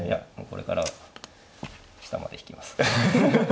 これからは下まで引きます。